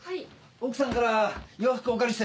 奥さんから洋服お借りして。